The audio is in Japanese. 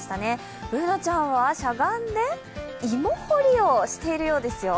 Ｂｏｏｎａちゃんはしゃがんで芋掘りをしているようですよ。